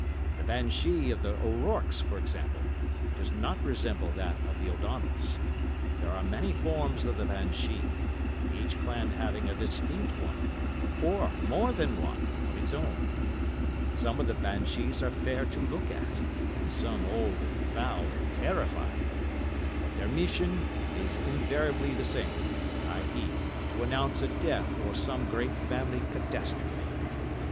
The banshee of the O'Rourkes, for example, does not resemble that of the O'Donnells; there are many forms of the banshee, each clan having a distinct one—or more than one—of its own. Some of the banshees are fair to look at, and some old, and foul, and terrifying; but their mission is invariably the same, i.e., to announce a death or some great family catastrophe.